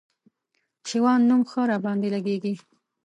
شېوان نوم ښه راباندي لګېږي